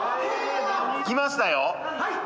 きましたよ。